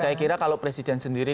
saya kira kalau presiden sendiri